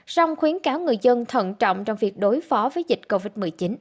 song khuyến cáo người dân thận trọng trong việc đối phó với dịch covid một mươi chín